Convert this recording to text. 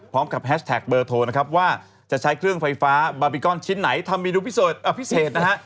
แฮชแท็กเบอร์โทรนะครับว่าจะใช้เครื่องไฟฟ้าบาบิกอนชิ้นไหนทำเมนูพิเศษพิเศษนะฮะ